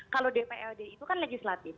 kalau dprd itu kan legislatif